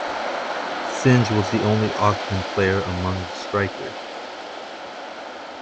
Singe was the only Auckland player among the strikers.